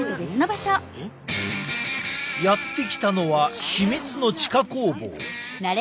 やって来たのは秘密の地下工房。